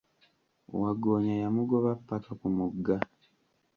Wagggoonya yamugoba ppaka ku mugga.